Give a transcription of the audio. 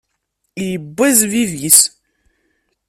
Iwwa zzbib-is.